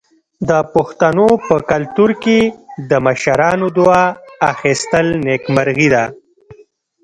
د پښتنو په کلتور کې د مشرانو دعا اخیستل نیکمرغي ده.